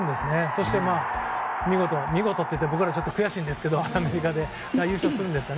そして、見事見事というと僕らは悔しいんですがアメリカが優勝するんですが。